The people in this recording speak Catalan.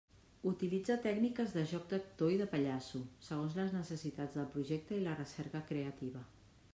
Utilitza tècniques de joc d'actor i de pallasso, segons les necessitats del projecte i la recerca creativa.